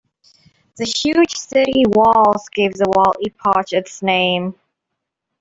The huge city walls gave the wall epoch its name.